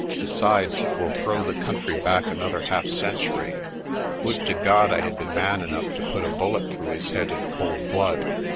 Besides, it will throw the country back another half century. Would to God I had been man enough to put a bullet through his head in cold blood.